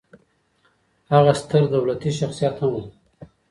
هغه ستر دولتي شخصیت هم و